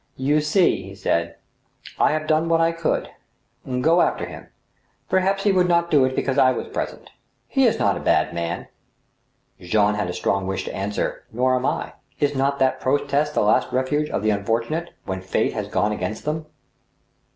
You see," he said, " I have done what I could. ... Go after him. ... Perhaps he would not do it because I was present. ... He is not a bad man." Jean had a strong wish to answer, " Nor am I." Is not that protest the last refuge of the unfortunate when Fate has gone against them